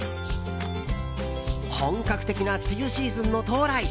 本格的な梅雨シーズンの到来。